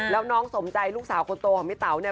แล้วน้องสมใจลูกสาวคนโตของพี่เต๋าเนี่ย